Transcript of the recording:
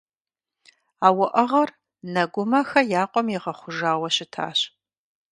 А уӀэгъэр Нэгумэхэ я къуэм игъэхъужауэ щытащ.